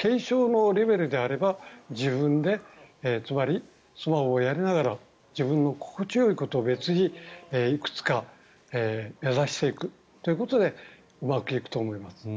軽症のレベルであれば自分でつまり、スマホをやりながら自分の心地よいことを別にいくつか目指していくということでうまくいくと思います。